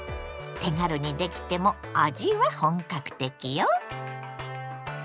手軽にできても味は本格的よ。